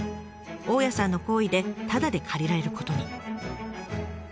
大家さんの厚意でタダで借りられることに。